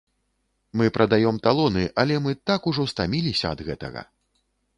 Мы прадаём талоны, але мы так ўжо стаміліся ад гэтага.